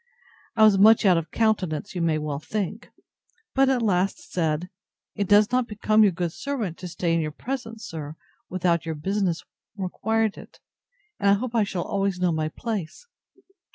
I was much out of countenance, you may well think; but said, at last, It does not become your good servant to stay in your presence, sir, without your business required it; and I hope I shall always know my place.